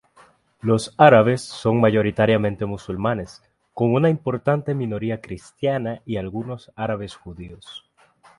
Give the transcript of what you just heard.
Los árabes son mayoritariamente musulmanes, con una importante minoría cristiana y algunos árabes judíos.